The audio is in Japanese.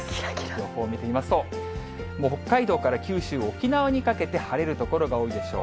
予報を見てみますと、北海道から九州、沖縄にかけて晴れる所が多いでしょう。